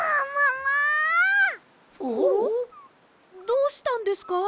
どうしたんですか？